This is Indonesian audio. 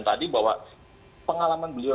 tadi bahwa pengalaman beliau